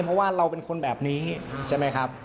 เพราะว่าเราเป็นคนแบบนี้ใช่ไหมครับ